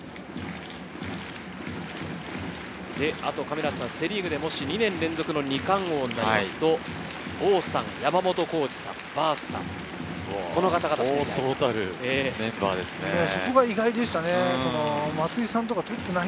あとセ・リーグで、もし２年連続の二冠王になりますと、王さん、山本浩二さん、バースさん、この方々しかいない。